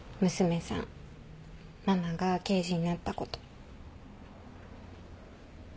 ママが刑事になったこと。